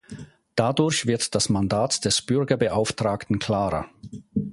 Dadurch wird das Mandat des Bürgerbeauftragten klarer.